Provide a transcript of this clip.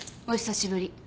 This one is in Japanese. お久しぶり。